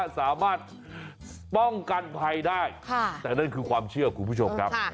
สามารถป้องกันภัยได้แต่นั่นคือความเชื่อคุณผู้ชมครับ